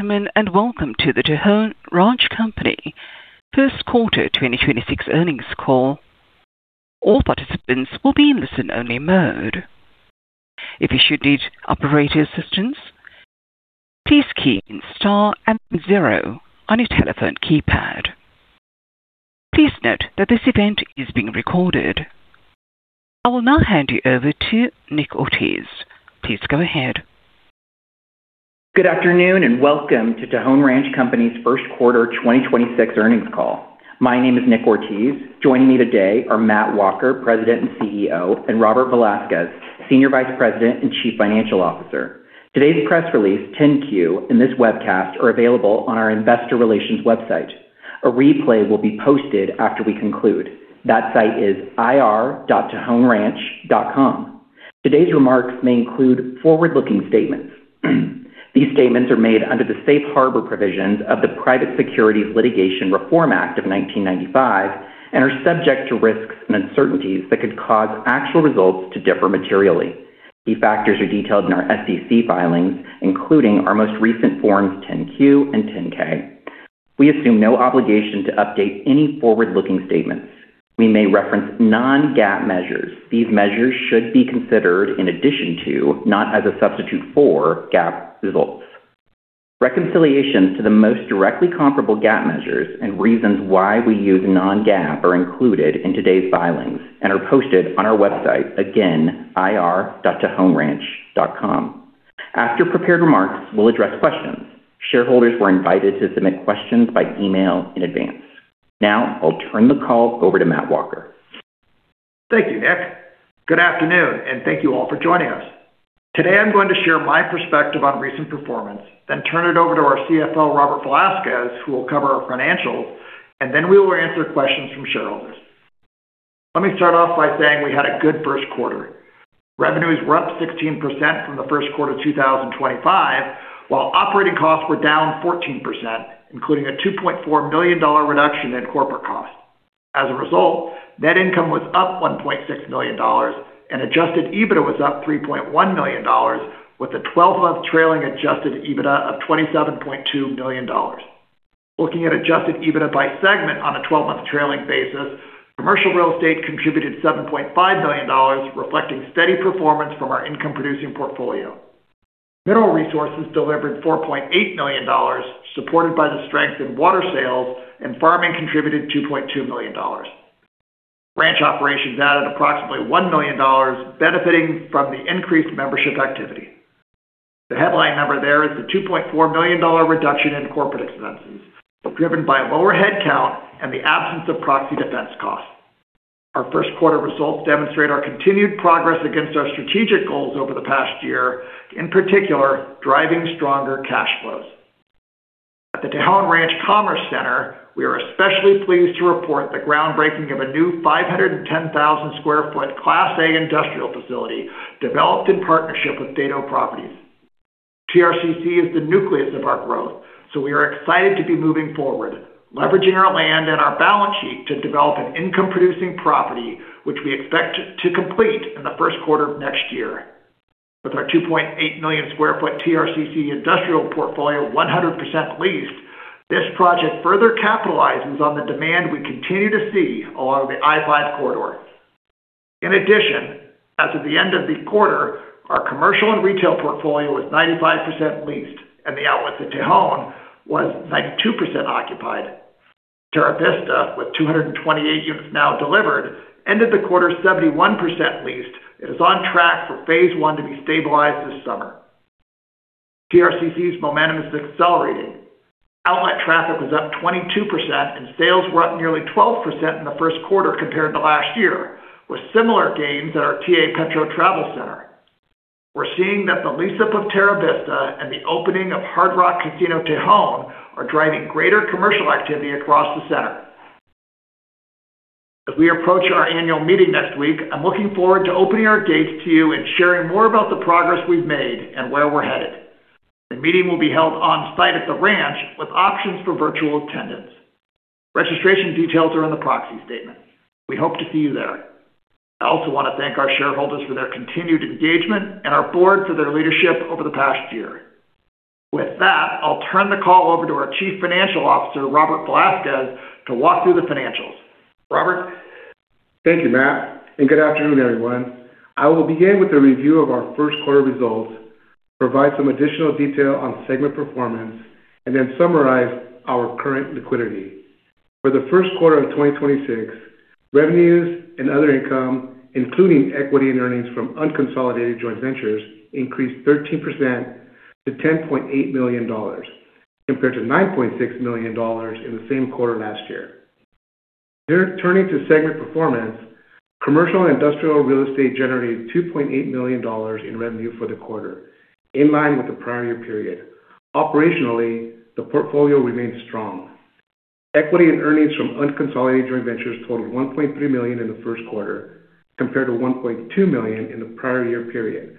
Welcome to the Tejon Ranch Company first quarter 2026 earnings call. All participants will be in listen-only mode. If you should need operator assistance, please key in star and zero on your telephone keypad. Please note that this event is being recorded. I will now hand you over to Nick Ortiz. Please go ahead. Good afternoon, welcome to Tejon Ranch Company's first quarter 2026 earnings call. My name is Nick Ortiz. Joining me today are Matt Walker, President and CEO, and Robert Velasquez, Senior Vice President and Chief Financial Officer. Today's press release, 10-Q, and this webcast are available on our investor relations website. A replay will be posted after we conclude. That site is ir.tejonranch.com. Today's remarks may include forward-looking statements. These statements are made under the safe harbor provisions of the Private Securities Litigation Reform Act of 1995 and are subject to risks and uncertainties that could cause actual results to differ materially. These factors are detailed in our SEC filings, including our most recent forms 10-Q and 10-K. We assume no obligation to update any forward-looking statements. We may reference non-GAAP measures. These measures should be considered in addition to, not as a substitute for, GAAP results. Reconciliations to the most directly comparable GAAP measures and reasons why we use non-GAAP are included in today's filings and are posted on our website, again, ir.tejonranch.com. After prepared remarks, we'll address questions. Shareholders were invited to submit questions by email in advance. Now I'll turn the call over to Matt Walker. Thank you, Nick. Good afternoon, and thank you all for joining us. Today, I'm going to share my perspective on recent performance, then turn it over to our CFO, Robert Velasquez, who will cover our financials, and then we will answer questions from shareholders. Let me start off by saying we had a good first quarter. Revenues were up 16% from the first quarter 2025, while operating costs were down 14%, including a $2.4 million reduction in corporate costs. As a result, net income was up $1.6 million, and adjusted EBITDA was up $3.1 million, with a 12-month trailing adjusted EBITDA of $27.2 million. Looking at adjusted EBITDA by segment on a 12-month trailing basis, commercial real estate contributed $7.5 million, reflecting steady performance from our income-producing portfolio. Mineral resources delivered $4.8 million, supported by the strength in water sales, and farming contributed $2.2 million. Ranch operations added approximately $1 million, benefiting from the increased membership activity. The headline number there is the $2.4 million reduction in corporate expenses, driven by a lower headcount and the absence of proxy defense costs. Our first quarter results demonstrate our continued progress against our strategic goals over the past year, in particular, driving stronger cash flows. At the Tejon Ranch Commerce Center, we are especially pleased to report the groundbreaking of a new 510,000 sq ft Class A industrial facility developed in partnership with Dedeaux Properties. TRCC is the nucleus of our growth. We are excited to be moving forward, leveraging our land and our balance sheet to develop an income-producing property, which we expect to complete in the first quarter of next year. With our 2.8 million sq ft TRCC industrial portfolio 100% leased, this project further capitalizes on the demand we continue to see along the I-5 corridor. In addition, as of the end of the quarter, our commercial and retail portfolio was 95% leased, and the Outlets at Tejon was 92% occupied. Terra Vista, with 228 units now delivered, ended the quarter 71% leased and is on track for phase I to be stabilized this summer. TRCC's momentum is accelerating. Outlet traffic was up 22%, and sales were up nearly 12% in the first quarter compared to last year, with similar gains at our TA Petro Travel Center. We're seeing that the lease-up of Terra Vista and the opening of Hard Rock Casino Tejon are driving greater commercial activity across the center. As we approach our annual meeting next week, I'm looking forward to opening our gates to you and sharing more about the progress we've made and where we're headed. The meeting will be held on-site at the ranch with options for virtual attendance. Registration details are in the proxy statement. We hope to see you there. I also want to thank our shareholders for their continued engagement and our board for their leadership over the past year. With that, I'll turn the call over to our Chief Financial Officer, Robert Velasquez, to walk through the financials. Robert. Thank you, Matt, and good afternoon, everyone. I will begin with a review of our first quarter results, provide some additional detail on segment performance, and then summarize our current liquidity. For the first quarter of 2026, revenues and other income, including equity and earnings from unconsolidated joint ventures, increased 13% to $10.8 million compared to $9.6 million in the same quarter last year. Here, turning to segment performance, commercial and industrial real estate generated $2.8 million in revenue for the quarter, in line with the prior year period. Operationally, the portfolio remains strong. Equity and earnings from unconsolidated joint ventures totaled $1.3 million in the first quarter compared to $1.2 million in the prior year period,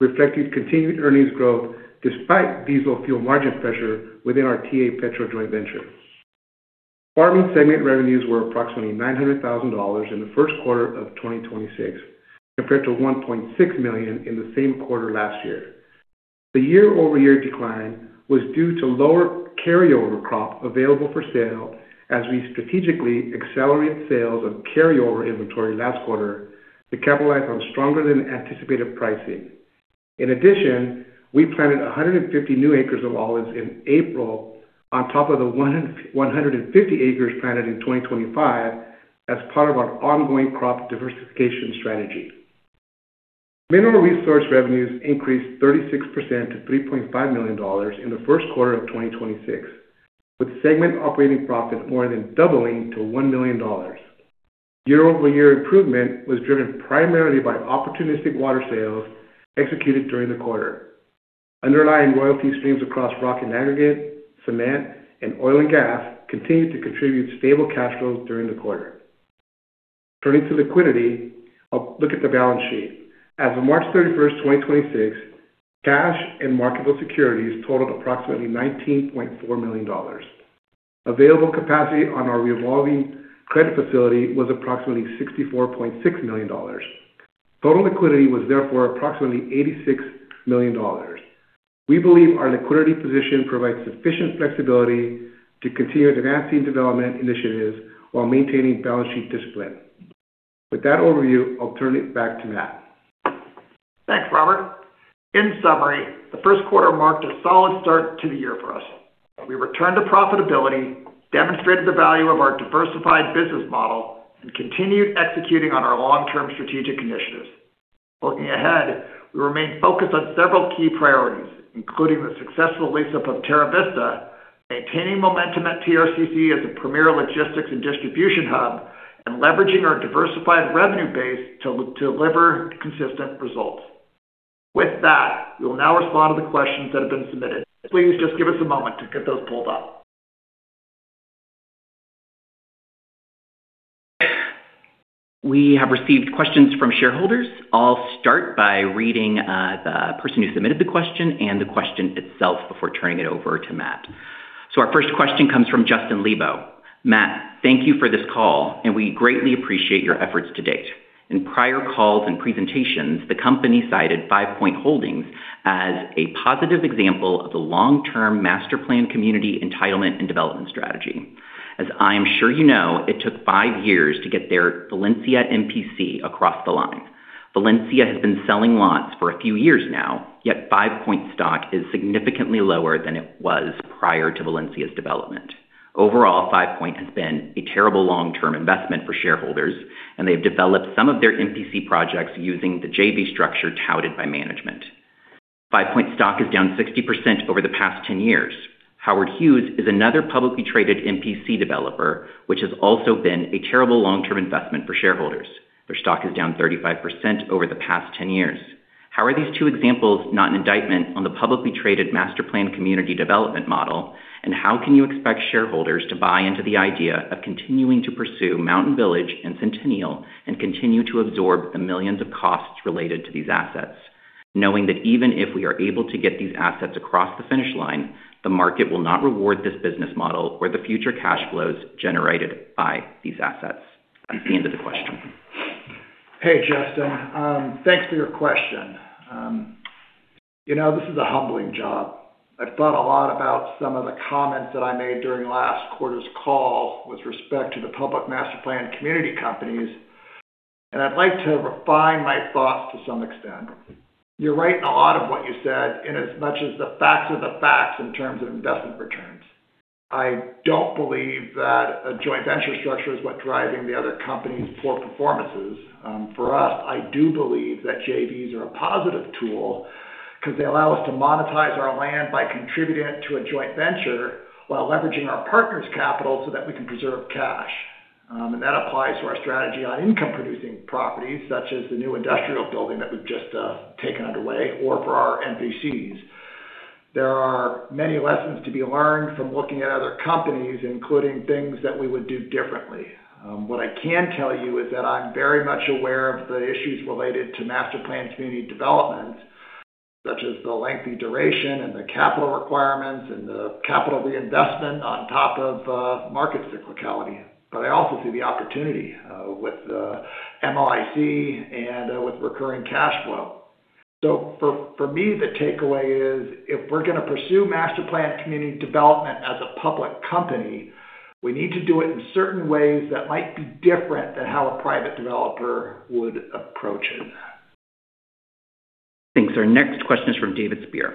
reflecting continued earnings growth despite diesel fuel margin pressure within our TA Petro joint venture. Farming segment revenues were approximately $900,000 in the first quarter of 2026, compared to $1.6 million in the same quarter last year. The year-over-year decline was due to lower carryover crop available for sale as we strategically accelerated sales of carryover inventory last quarter to capitalize on stronger than anticipated pricing. In addition, we planted 150 new acres of olives in April on top of the 150 acres planted in 2025 as part of our ongoing crop diversification strategy. Mineral resource revenues increased 36% to $3.5 million in the first quarter of 2026, with segment operating profit more than doubling to $1 million. Year-over-year improvement was driven primarily by opportunistic water sales executed during the quarter. Underlying royalty streams across rock and aggregate, cement, and oil and gas continued to contribute stable cash flows during the quarter. Turning to liquidity, I'll look at the balance sheet. As of March 31, 2026, cash and marketable securities totaled approximately $19.4 million. Available capacity on our revolving credit facility was approximately $64.6 million. Total liquidity was therefore approximately $86 million. We believe our liquidity position provides sufficient flexibility to continue advancing development initiatives while maintaining balance sheet discipline. With that overview, I'll turn it back to Matt. Thanks, Robert. In summary, the first quarter marked a solid start to the year for us. We returned to profitability, demonstrated the value of our diversified business model, and continued executing on our long-term strategic initiatives. Looking ahead, we remain focused on several key priorities, including the successful lease-up of Terra Vista, maintaining momentum at TRCC as a premier logistics and distribution hub, and leveraging our diversified revenue base to deliver consistent results. With that, we will now respond to the questions that have been submitted. Please just give us a moment to get those pulled up. We have received questions from shareholders. I'll start by reading the person who submitted the question and the question itself before turning it over to Matt. Our first question comes from Justin Lebo. Matt, thank you for this call, and we greatly appreciate your efforts to date. In prior calls and presentations, the company cited Five Point Holdings as a positive example of the long-term master planned community entitlement and development strategy. As I am sure you know, it took five years to get their Valencia MPC across the line. Valencia has been selling lots for a few years now, yet Five Point stock is significantly lower than it was prior to Valencia's development. Overall, Five Point has been a terrible long-term investment for shareholders, and they've developed some of their MPC projects using the JV structure touted by management. FivePoint stock is down 60% over the past 10 years. Howard Hughes is another publicly traded MPC developer, which has also been a terrible long-term investment for shareholders. Their stock is down 35% over the past 10 years. How are these two examples not an indictment on the publicly traded master planned community development model? How can you expect shareholders to buy into the idea of continuing to pursue Mountain Village and Centennial, and continue to absorb the millions of costs related to these assets, knowing that even if we are able to get these assets across the finish line, the market will not reward this business model or the future cash flows generated by these assets? That's the end of the question. Hey, Justin. Thanks for your question. You know, this is a humbling job. I've thought a lot about some of the comments that I made during last quarter's call with respect to the public master planned community companies. I'd like to refine my thoughts to some extent. You're right in a lot of what you said, inasmuch as the facts are the facts in terms of investment returns. I don't believe that a joint venture structure is what's driving the other companies' poor performances. For us, I do believe that JVs are a positive tool because they allow us to monetize our land by contributing it to a joint venture while leveraging our partners' capital so that we can preserve cash. And that applies to our strategy on income-producing properties, such as the new industrial building that we've just taken underway or for our MPCs. There are many lessons to be learned from looking at other companies, including things that we would do differently. What I can tell you is that I'm very much aware of the issues related to master-planned community development, such as the lengthy duration and the capital requirements and the capital reinvestment on top of market cyclicality. I also see the opportunity with MPCs and with recurring cash flow. For me, the takeaway is if we're gonna pursue master-planned community development as a public company, we need to do it in certain ways that might be different than how a private developer would approach it. Thanks. Our next question is from David Spier.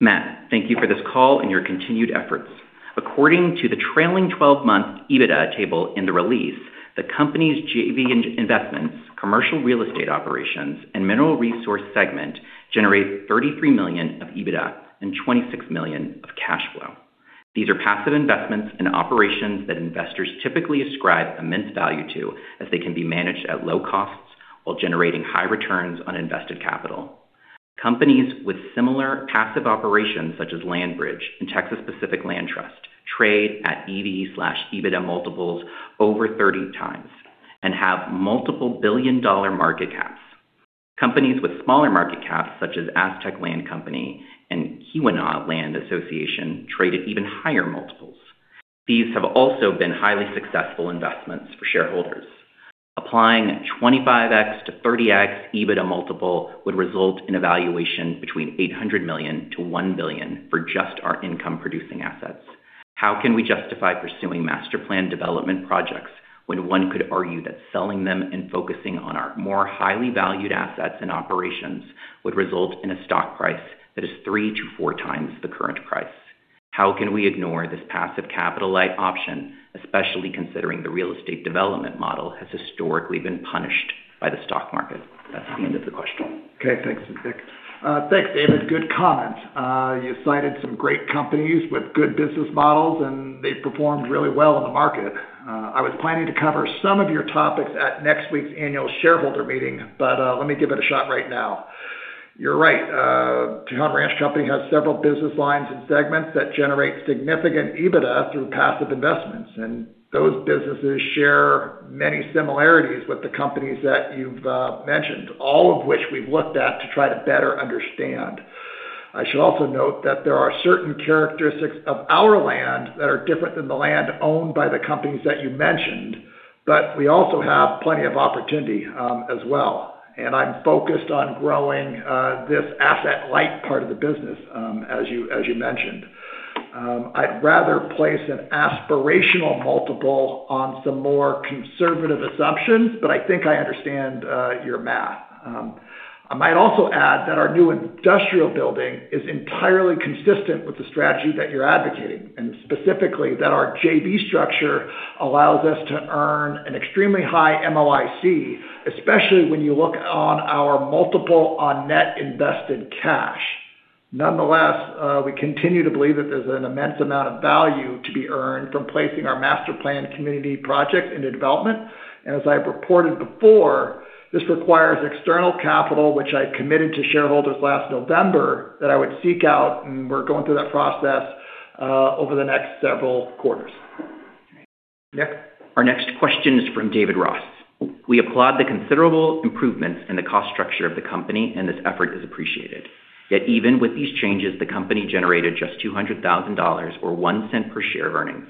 Matt, thank you for this call and your continued efforts. According to the trailing 12-month EBITDA table in the release, the company's JV investments, commercial real estate operations, and mineral resource segment generate $33 million of EBITDA and $26 million of cash flow. These are passive investments and operations that investors typically ascribe immense value to, as they can be managed at low costs while generating high returns on invested capital. Companies with similar passive operations, such as LandBridge and Texas Pacific Land Corporation, trade at EV/EBITDA multiples over 30x and have multiple billion-dollar market caps. Companies with smaller market caps, such as Aztec Land Company and Keweenaw Land Association traded even higher multiples. These have also been highly successful investments for shareholders. Applying 25x to 30x EBITDA multiple would result in a valuation between $800 million to $1 billion for just our income producing assets. How can we justify pursuing master plan development projects when one could argue that selling them and focusing on our more highly valued assets and operations would result in a stock price that is 3x to 4x the current price? How can we ignore this passive capital-light option, especially considering the real estate development model has historically been punished by the stock market? That's the end of the question. Okay, thanks, Nick. Thanks, David. Good comment. You cited some great companies with good business models, they've performed really well in the market. I was planning to cover some of your topics at next week's annual shareholder meeting, let me give it a shot right now. You're right. Tejon Ranch Company has several business lines and segments that generate significant EBITDA through passive investments, those businesses share many similarities with the companies that you've mentioned, all of which we've looked at to try to better understand. I should also note that there are certain characteristics of our land that are different than the land owned by the companies that you mentioned, we also have plenty of opportunity as well. I'm focused on growing this asset light part of the business, as you mentioned. I'd rather place an aspirational multiple on some more conservative assumptions, but I think I understand your math. I might also add that our new industrial building is entirely consistent with the strategy that you're advocating. Specifically, that our JV structure allows us to earn an extremely high MOIC, especially when you look on our multiple on net invested cash. Nonetheless, we continue to believe that there's an immense amount of value to be earned from placing our master planned community project into development. As I've reported before, this requires external capital, which I committed to shareholders last November that I would seek out, and we're going through that process over the next several quarters. Nick? Our next question is from David Ross. We applaud the considerable improvements in the cost structure of the company, and this effort is appreciated. Yet even with these changes, the company generated just $200,000 or $0.01 per share of earnings.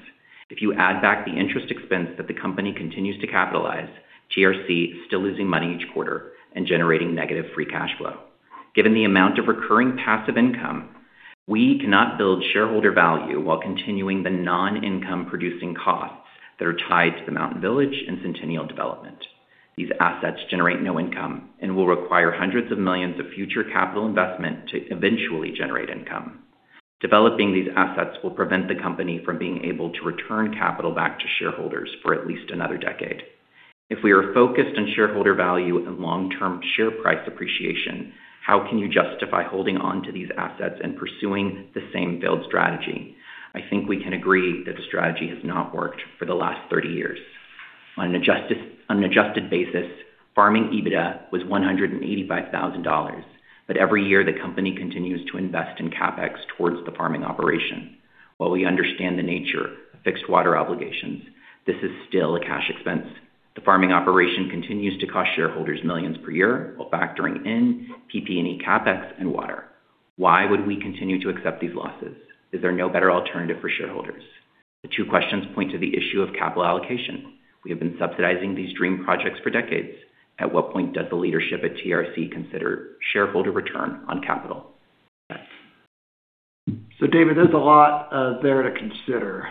If you add back the interest expense that the company continues to capitalize, TRC is still losing money each quarter and generating negative free cash flow. Given the amount of recurring passive income, we cannot build shareholder value while continuing the non-income producing costs that are tied to the Mountain Village and Centennial development. These assets generate no income and will require hundreds of millions of future capital investment to eventually generate income. Developing these assets will prevent the company from being able to return capital back to shareholders for at least another decade. If we are focused on shareholder value and long-term share price appreciation, how can you justify holding on to these assets and pursuing the same build strategy? I think we can agree that the strategy has not worked for the last 30 years. On an adjusted basis, farming EBITDA was $185,000. Every year the company continues to invest in CapEx towards the farming operation. While we understand the nature of fixed water obligations, this is still a cash expense. The farming operation continues to cost shareholders millions per year while factoring in PP&E CapEx and water. Why would we continue to accept these losses? Is there no better alternative for shareholders? The two questions point to the issue of capital allocation. We have been subsidizing these dream projects for decades. At what point does the leadership at TRC consider shareholder return on capital? David, there's a lot there to consider.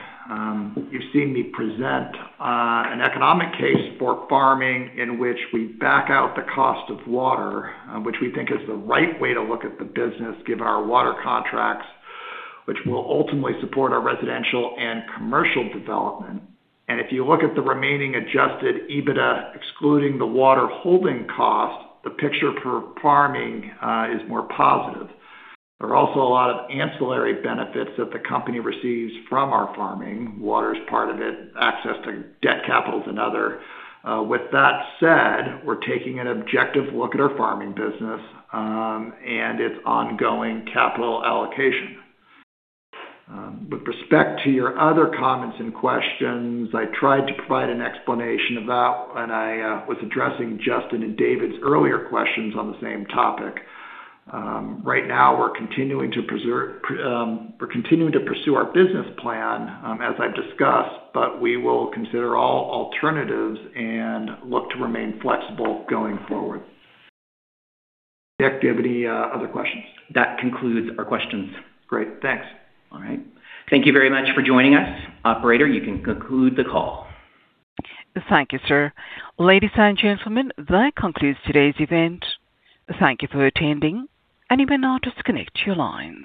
You've seen me present an economic case for farming in which we back out the cost of water, which we think is the right way to look at the business given our water contracts, which will ultimately support our residential and commercial development. If you look at the remaining adjusted EBITDA, excluding the water holding cost, the picture for farming is more positive. There are also a lot of ancillary benefits that the company receives from our farming. Water is part of it. Access to debt capital is another. With that said, we're taking an objective look at our farming business and its ongoing capital allocation. With respect to your other comments and questions, I tried to provide an explanation of that when I was addressing Justin and David's earlier questions on the same topic. Right now, we're continuing to pursue our business plan, as I've discussed, but we will consider all alternatives and look to remain flexible going forward. Nick, do you have any other questions? That concludes our questions. Great. Thanks. All right. Thank you very much for joining us. Operator, you can conclude the call. Thank you, sir. Ladies and gentlemen, that concludes today's event. Thank you for attending, and you may now disconnect your lines.